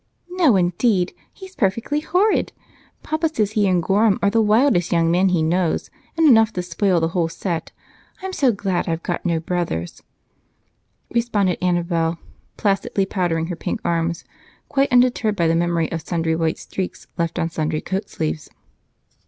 "No, indeed, he's perfectly horrid! Papa says he and Gorham are the wildest young men he knows, and enough to spoil the whole set. I'm so glad I've got no brothers," responded Annabel, placidly powdering her pink arms, quite undeterred by the memory of sundry white streaks left on sundry coat sleeves.